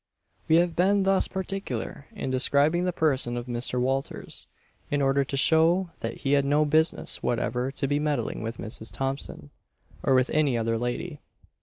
We have been thus particular in describing the person of Mr. Walters, in order to show that he had no business whatever to be meddling with Mrs. Thompson, or with any other lady.